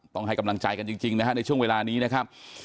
ต้องให้กำลังใจกันจริงนะฮะในช่วงเวลานี้นะครับ